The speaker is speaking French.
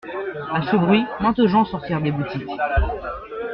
A ce bruit, maintes gens sortirent des boutiques.